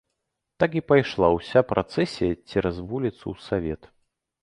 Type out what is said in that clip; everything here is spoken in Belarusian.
Так і пайшла ўся працэсія цераз вуліцу ў савет.